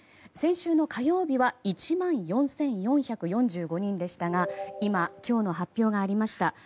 先週の火曜日は１万４４４５人でしたが今日の発表がありました。